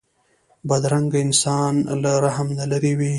بدرنګه انسان له رحم نه لېرې وي